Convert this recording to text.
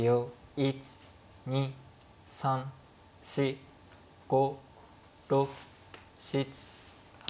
１２３４５６７８。